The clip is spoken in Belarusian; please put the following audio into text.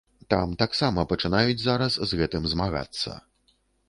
Там таксама пачынаюць зараз з гэтым змагацца.